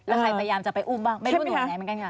แล้วใครพยายามจะไปอุ้มบ้างไม่รู้หนูอยู่ไหนเหมือนกันค่ะ